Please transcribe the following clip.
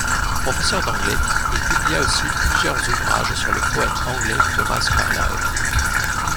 Professeur d'anglais, il publia aussi plusieurs ouvrages sur le poète anglais Thomas Carlyle.